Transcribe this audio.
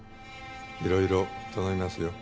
いろいろ頼みますよ。